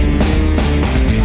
udah bocan mbak